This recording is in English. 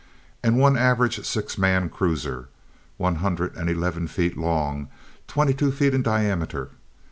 And one average six man cruiser, one hundred and eleven feet long, twenty two in diameter.